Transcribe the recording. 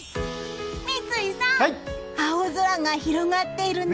三井さん、青空が広がっているね。